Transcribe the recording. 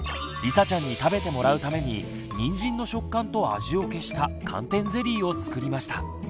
りさちゃんに食べてもらうためににんじんの食感と味を消した寒天ゼリーを作りました。